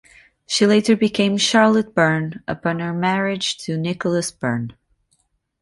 She later became Charlotte Byrne upon her marriage to Nicholas Byrne.